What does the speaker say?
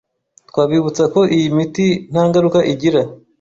Twabibutsa ko iyi miti nta ngaruka igira